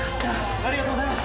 ありがとうございます。